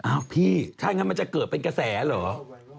พี่ถ้าอย่างนั้นมันจะเกิดเป็นกระแสเหรอ